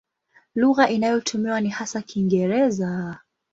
Lugha inayotumiwa ni hasa Kiingereza.